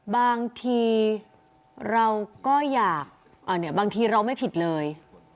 บางทีเราก็อยากอ่ะเนี่ยบางทีเราไม่ผิดเลย